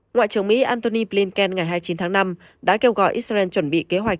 ngoại trưởng mỹ antony blinken ngày hai mươi chín tháng năm đã kêu gọi israel chuẩn bị kế hoạch